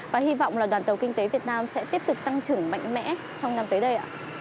và hy vọng là đoàn tàu kinh tế việt nam sẽ tiếp tục tăng trưởng mạnh mẽ trong năm tới đây ạ